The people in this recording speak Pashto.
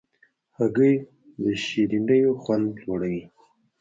هګۍ د شیرینیو خوند لوړوي.